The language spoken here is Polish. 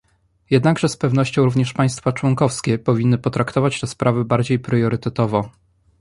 Jednakże z pewnością również państwa członkowskie powinny potraktować tę sprawę bardziej priorytetowo